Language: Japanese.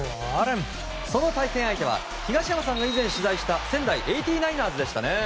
その対戦相手は東山さんが以前取材した仙台８９ＥＲＳでしたね。